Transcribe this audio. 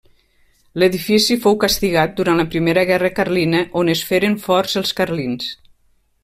L'edifici fou castigat, durant la primera guerra carlina, on es feren forts els carlins.